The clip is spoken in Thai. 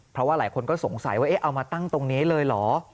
เพราะว่าหลายคนก็สงสัยว่าเอามาตั้งตรงนี้เลยเหรอ